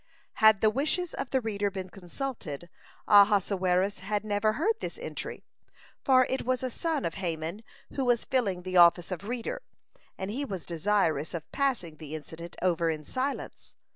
Had the wishes of the reader been consulted, Ahasuerus had never heard this entry, for it was a son of Haman who was filling the office of reader, and he was desirous of passing the incident over in silence.